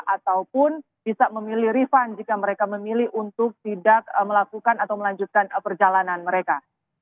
ataupun bisa memilih refund jika mereka memilih untuk tidak melakukan atau melanjutkan perjalanan mereka